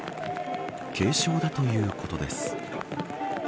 軽傷だということです。